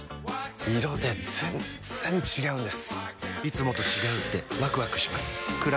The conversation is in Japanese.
色で全然違うんです！